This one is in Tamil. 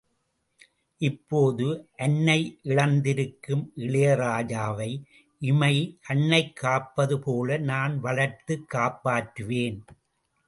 இப்போது அன்னையிழந்திருக்கும் இளையராஜாவை இமை, கண்ணைக் காப்பதுபோல நான் வளர்த்துக் காப்பாற்றுவேன்!